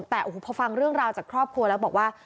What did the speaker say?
แต่โอ้โหพอฟังเรื่องราวจากครอบครัวแล้วบอกว่า